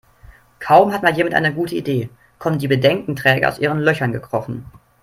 Kaum hat mal jemand eine gute Idee, kommen die Bedenkenträger aus ihren Löchern gekrochen.